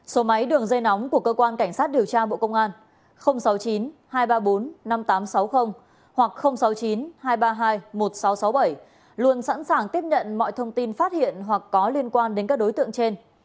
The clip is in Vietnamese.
số máy đường dây nóng của cơ quan cảnh sát điều tra bộ công an sáu mươi chín hai trăm ba mươi bốn năm nghìn tám trăm sáu mươi hoặc sáu mươi chín hai trăm ba mươi hai một nghìn sáu trăm sáu mươi bảy luôn sẵn sàng tiếp nhận mọi thông tin phát hiện hoặc có liên quan đến các đối tượng trên